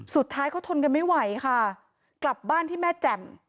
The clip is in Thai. สุดท้ายเขาทนกันไม่ไหวค่ะกลับบ้านที่แม่แจ่ม